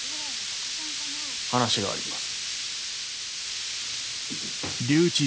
話があります。